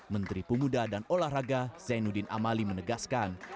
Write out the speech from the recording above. menteri pemuda dan olahraga zainuddin amali menegaskan